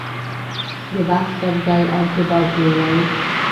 د بحث پر ځای اوتې بوتې ووایي.